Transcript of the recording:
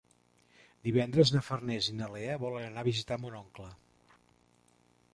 Divendres na Farners i na Lea volen anar a visitar mon oncle.